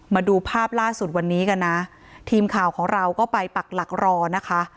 มาดูภาพล่าสุดวันนี้กันนะทีมข่าวของเราก็ไปปักหลักรอนะคะ